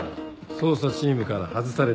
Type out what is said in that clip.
捜査チームから外された。